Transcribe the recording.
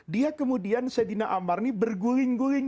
dia kemudian sayyidina ammar ini berguling guling